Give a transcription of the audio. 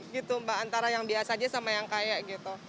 gitu mbak antara yang biasa aja sama yang kayak gitu